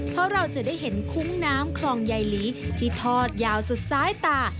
เพราะเราจะได้เห็นคุ้งน้ำคลองใยหลีที่ทอดยาวสุดซ้ายตา